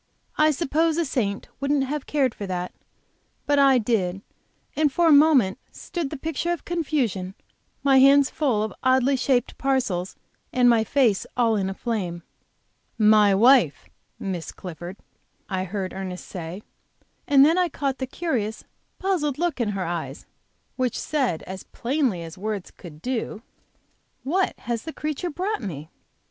I suppose a saint wouldn't have cared for that, but I did, and for a moment stood the picture of confusion, my hands full of oddly shaped parcels and my face all in a flame. "My wife, Miss Clifford," I heard Ernest say, and then I caught the curious, puzzled look in her eyes, which said as plainly as words could do: "What has the creature brought me?"